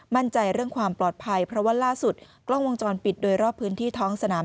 มั่นใจเรื่องความปลอดภัยเพราะว่าล่าสุดกล้องวงจรปิดโดยรอบพื้นที่ท้องสนาม